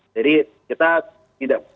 jadi kita tidak